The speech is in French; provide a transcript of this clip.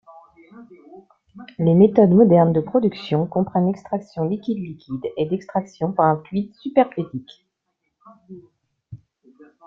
Les méthodes modernes de production comprennent l'extraction liquide-liquide et d'extraction par un fluide supercritique.